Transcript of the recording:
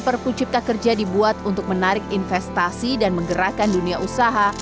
pekerja dibuat untuk menarik investasi dan menggerakkan dunia usaha